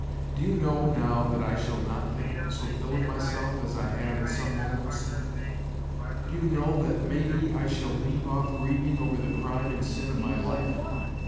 Do you know now that I shall not think so ill of myself, as I have at some moments ? Do you know that, maybe, I shall leave off grieving over the crime and sin of my life